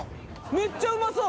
めっちゃうまそう！